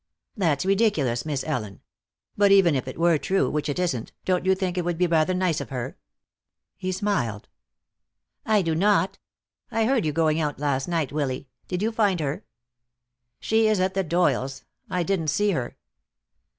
"That's ridiculous, Miss Ellen. But even if it were true, which it isn't, don't you think it would be rather nice of her?" He smiled. "I do not. I heard you going out last night, Willy. Did you find her?" "She is at the Doyles'. I didn't see her."